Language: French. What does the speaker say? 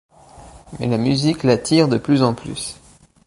Mais la musique l'attire de plus en plus.